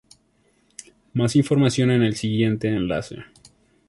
Más información en el siguiente enlace.